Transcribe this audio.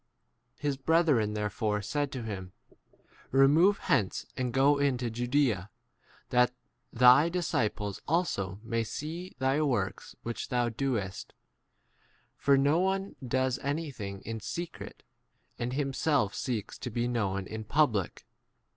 His brethren therefore said to him, Remove hence and go into Judaea, that thy disciples also may see thy works 1 which thou doest ; for no one does anything in secret and himself seeks to be known in public.